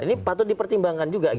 ini patut dipertimbangkan juga